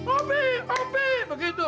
opi opi begitu